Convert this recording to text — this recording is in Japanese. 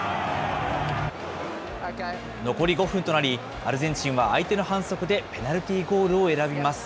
残り５分となり、アルゼンチンは相手の反則でペナルティーゴールを選びます。